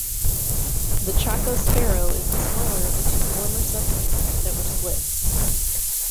The Chaco sparrow is the smaller of the two former subspecies that were split.